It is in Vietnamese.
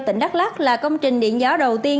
tỉnh đắk lắc là công trình điện gió đầu tiên